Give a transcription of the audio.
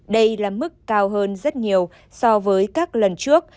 đây là mức cao hơn rất nhiều so với các lần trước